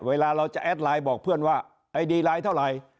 เวลาเราจะแอดไลน์บอกเพื่อนว่าไอดีไลน์เท่าไหร่